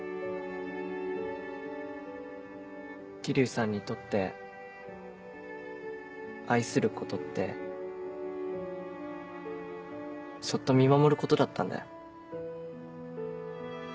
霧生さんにとって愛することってそっと見守ることだったんだよ。